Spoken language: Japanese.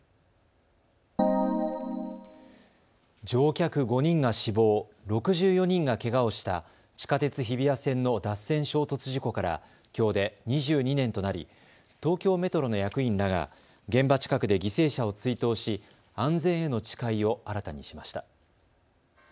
乗客５人が死亡、６４人がけがをした地下鉄日比谷線の脱線衝突事故からきょうで２２年となり東京メトロの役員らが現場近くで犠牲者を追悼し安全への誓いを新たにしました。